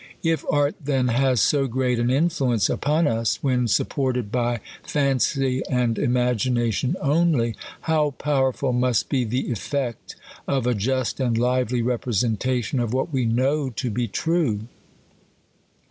If art then has so great an influence upon us, when sup ported by fancy and imagination only, how powerful must be the effect of a just and lively representation of what we know to be true.